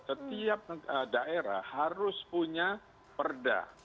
setiap daerah harus punya perda